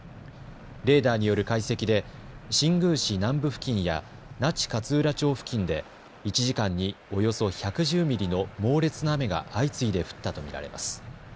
レーダーによる解析で新宮市南部付近や那智勝浦町付近で１時間におよそ１１０ミリの猛烈な雨が相次いで降ったと見られます。